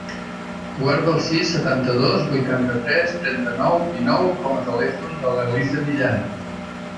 Guarda el sis, setanta-dos, vuitanta-tres, trenta-nou, dinou com a telèfon de l'Elisa Millan.